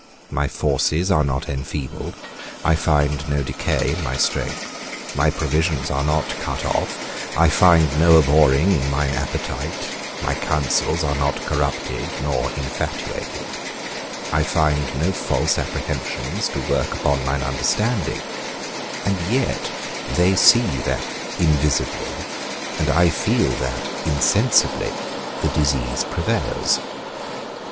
My forces are not enfeebled, I find no decay in my strength; my provisions are not cut off, I find no abhorring in mine appetite; my counsels are not corrupted nor infatuated, I find no false apprehensions to work upon mine understanding; and yet they see that invisibly, and I feel that insensibly, the disease prevails.